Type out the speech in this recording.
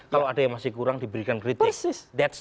kalau ada yang masih kurang diberikan kritis